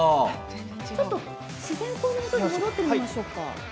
ちょっと自然光のもとに戻ってみましょうか。